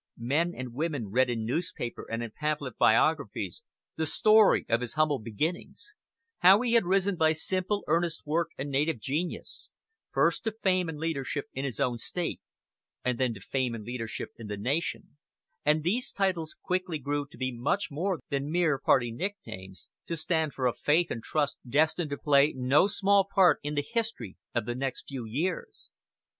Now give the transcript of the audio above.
Men and women read in newspaper and pamphlet biographies the story of his humble beginnings: how he had risen by simple, earnest work and native genius, first to fame and leadership in his own State, and then to fame and leadership in the nation; and these titles quickly grew to be much more than mere party nicknames to stand for a faith and trust destined to play no small part in the history of the next few years.